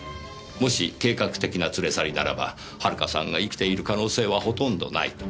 もし計画的な連れ去りならば遥さんが生きている可能性はほとんどないと。